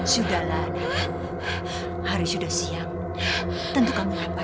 sudahlah hari sudah siang tentu kamu lapar